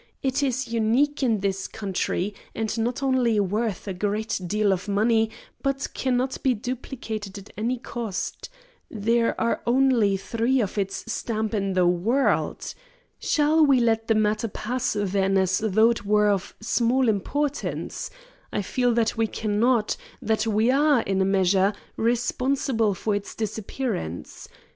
It is unique in this country, and not only worth a great deal of money, but cannot be duplicated at any cost. There are only three of its stamp in the world. Shall we let the matter pass, then, as though it were of small importance? I feel that we cannot; that we are, in a measure, responsible for its disappearance.